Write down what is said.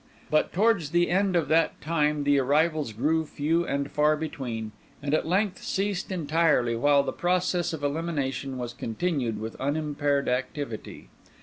But towards the end of that time the arrivals grew few and far between, and at length ceased entirely, while the process of elimination was continued with unimpaired activity.